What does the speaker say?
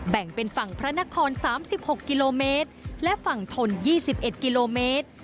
แบ่งเป็นฝั่งพระนคร๓๖กิโลเมตรและฝั่งทน๒๑กิโลเมตร